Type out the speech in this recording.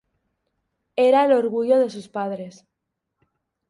Era el orgullo de sus padres.